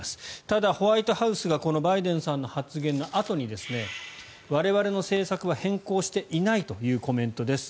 ただ、ホワイトハウスがこのバイデンさんの発言のあとに我々の政策は変更していないというコメントです。